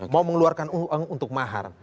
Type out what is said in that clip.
mau mengeluarkan uang untuk mahar